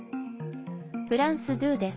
フランス２です。